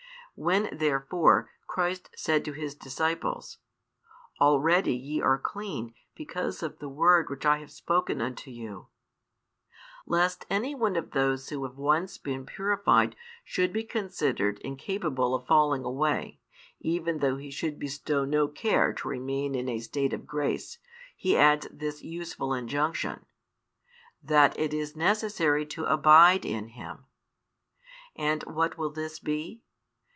When therefore Christ said to His disciples, Already ye are clean because of the word which I have spoken unto you; lest any one of those who have once been purified should be considered incapable of falling away, even though he should bestow no care to remain in a state of grace, He adds this useful injunction that it is necessary to abide in Him. And what will this be?